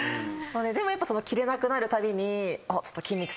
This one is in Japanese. でもやっぱ着れなくなるたびに。